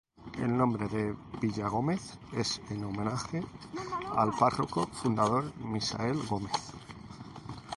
El nombre de Villagómez es en homenaje al párroco fundador Misael Gómez.